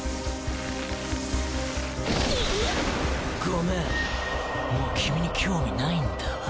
ごめんもう君に興味ないんだわ。